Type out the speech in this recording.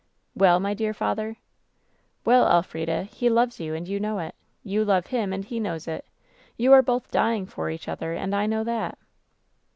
" *Well, my dear father V " 'Well, Elfrida, he loves you, and you know it. Yon love him, and he knows it. You are both dying for each other, and I know that.'